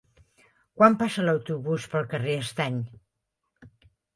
Quan passa l'autobús pel carrer Estany?